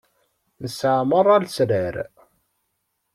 Nesɛa merra lesrar.